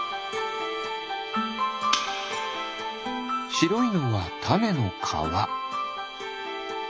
しろいのはたねのかわ。